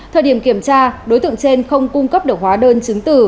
thời điểm kiểm tra đối tượng trên không cung cấp được hóa đơn chứng từ